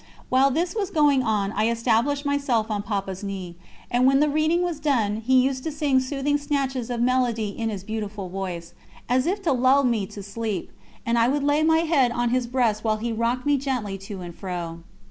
While this was going on I established myself on Papa's knee, and when the reading was done he used to sing soothing snatches of melody in his beautiful voice, as if to lull me to sleep, and I would lay my head on his breast while he rocked me gently to and fro.